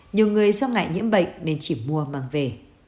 nhiều người do ngại nhiễm bệnh nên chỉ mua mang về